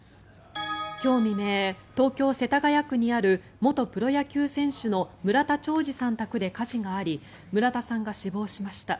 今日未明、東京・世田谷区にある元プロ野球選手の村田兆治さん宅で火事があり村田さんが死亡しました。